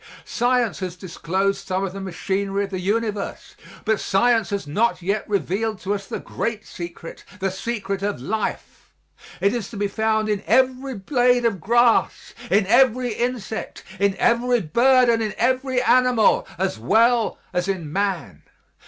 Science has disclosed some of the machinery of the universe, but science has not yet revealed to us the great secret the secret of life. It is to be found in every blade of grass, in every insect, in every bird and in every animal, as well as in man.